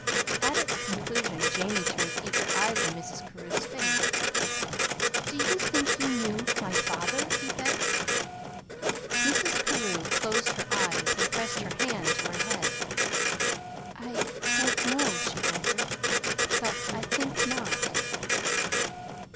At its conclusion Jamie turned eager eyes on Mrs. Carew's face. "Do you think you knew my father?" he begged. Mrs. Carew closed her eyes and pressed her hand to her head. "I don't know," she answered. "But I think not."